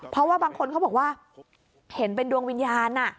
เพราะว่าบางคนเขาบอกว่าเห็นเป็นดวงวิญญาณ